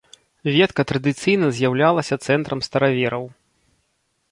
Ветка традыцыйна з'яўлялася цэнтрам старавераў.